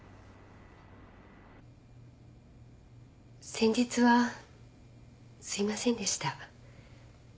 先日はすいませんでした。